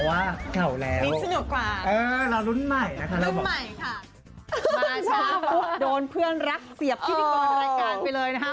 มาช้าบกับโดนเพื่อนรักเสียบขิถุออกมาในรายการไปเลยนะฮะ